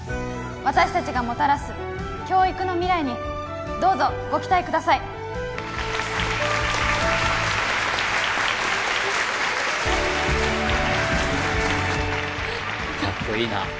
私達がもたらす教育の未来にどうぞご期待くださいカッコイイなはい